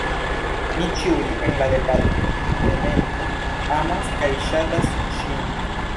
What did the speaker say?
Ni ĉiuj en la Departemento amas kaj ŝatas ŝin.